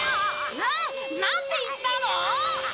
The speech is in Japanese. えっ？なんて言ったの？